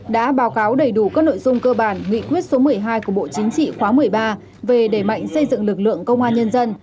đã báo cáo đầy đủ các nội dung cơ bản nghị quyết số một mươi hai của bộ chính trị khóa một mươi ba về đẩy mạnh xây dựng lực lượng công an nhân dân